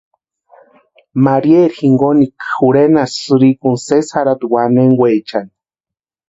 Marieri jinkonikwa jorhenasti sïrikuni sesi jarhati wanenkwechani.